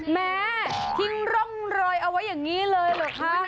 แม่ทิ้งร่องรอยเอาไว้อย่างนี้เลยเหรอคะ